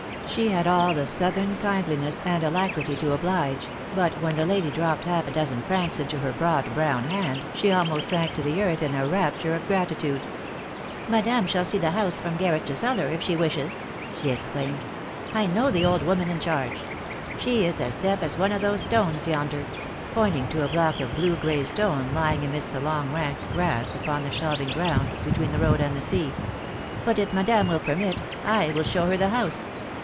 She had c.11 the southern kindliness and alacrity to oblige, but when the la"y dropped half a dozen francs into her broad brown hand she almost sank to the earth in a rapture of gratitude. '' Madame shall see the house from garret to cellar if she wishes," phe exclaimed. " I know the old woman in charge. She is as deaf as one of those stones yonder," pointing to a block of blue gray stone lying amidst the long rank grass upon the shelv ing ground between the road and the sea ;" but if madame will permit, / will show her the house.